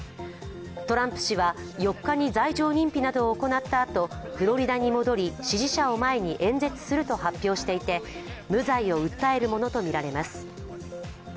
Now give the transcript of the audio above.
トランプ氏は、４日に罪状認否などを行ったあとフロリダに戻り支持者を前に演説すると発表していて無罪を訴えるものとみられます。